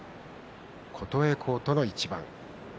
琴恵光との一番です。